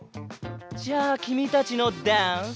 じゃあきみたちのダンス。